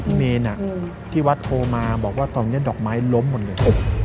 เมนที่วัดโทรมาบอกว่าตอนนี้ดอกไม้ล้มหมดเลย